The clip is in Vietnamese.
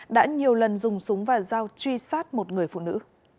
đã nhiều lần dùng súng và dao truy sát một người phụ nữ